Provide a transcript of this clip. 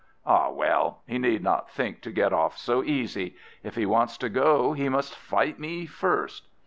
Ah well, he need not think to get off so easy. If he wants to go, he must fight me first!"